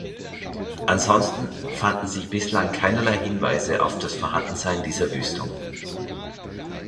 Ansonsten fanden sich bislang keinerlei Hinweise auf das Vorhandensein dieser Wüstung.